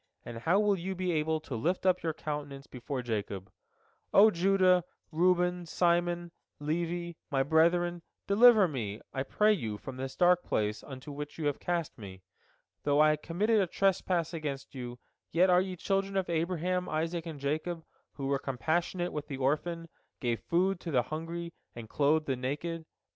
And how will you be able to lift up your countenance before Jacob? O Judah, Reuben, Simon, Levi, my brethren, deliver me, I pray you, from the dark place into which you have cast me. Though I committed a trespass against you, yet are ye children of Abraham, Isaac, and Jacob, who were compassionate with the orphan, gave food to the hungry, and clothed the naked.